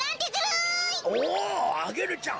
おっアゲルちゃん。